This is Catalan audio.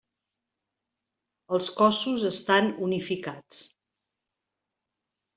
Els cossos estan unificats.